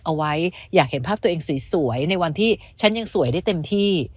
เอาไว้อยากเห็นภาพตัวเองสวยในวันที่ฉันยังสวยได้เต็มที่